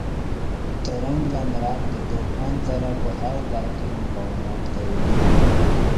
تورن جنرال د دښمن سره په هر ځای کې مقاومت کوي.